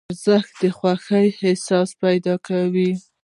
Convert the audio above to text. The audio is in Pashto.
ورزش د خوښې احساس پیدا کوي.